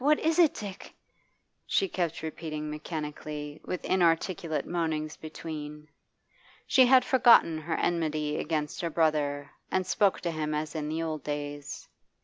what is it, Dick?' she kept repeating mechanically, with inarticulate moanings between. She had forgotten her enmity against her brother and spoke to him as in the old days.